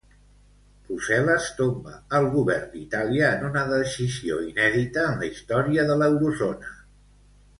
Brussel·les tomba el govern d'Itàlia en una decisió inèdita en la història de l'eurozona.